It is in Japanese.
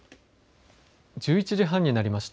１１時半になりました。